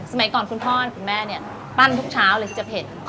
ก่อนคุณพ่อคุณแม่เนี่ยปั้นทุกเช้าเลยที่จะเผ็ด